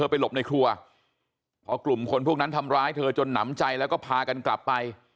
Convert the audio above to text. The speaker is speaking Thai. พอกลุ่มคนพวกนั้นทำร้ายเธอจนหนำใจแล้วก็พากันกลับไป